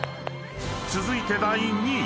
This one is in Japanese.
［続いて第２位］